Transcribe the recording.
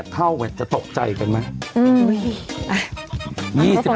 ๒๘เท่าจะตกใจกันไหมอืม